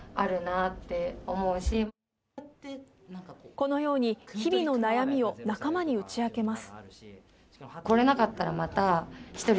このように日々の悩みを仲間に打ち明けます。